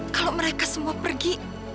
kalau mereka semua pergi